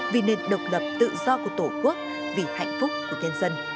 vì nền độc lập tự do của tổ quốc vì hạnh phúc của nhân dân